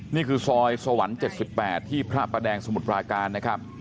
นี่คือซอยสวรรค์๗๘ที่พระประแดงสมุทรปราการนะครับ